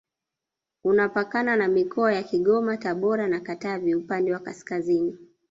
Unapakana na mikoa ya Kigoma Tabora na Katavi upande wa kaskazini